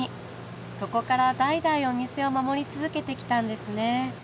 そこから代々お店を守り続けてきたんですね。